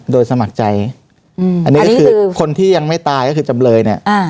โดยสมัครใจอันนี้ก็คือคนที่ยังไม่ตายก็คือจำเลยเนี่ย